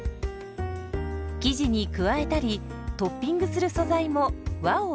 生地に加えたりトッピングする素材も和を意識。